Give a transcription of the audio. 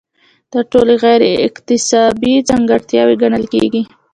دا ټولې غیر اکتسابي ځانګړتیاوې ګڼل کیږي.